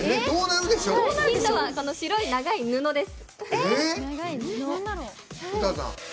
ヒントはこの白い長い布です。